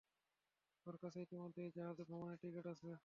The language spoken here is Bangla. ওর কাছে ইতোমধ্যেই এই জাহাজে ভ্রমণের টিকেট আছে!